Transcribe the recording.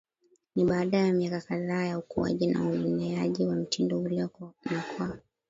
ni baada ya miaka kadhaa ya ukuaji na ueneaji wa mtindo ule na kuwa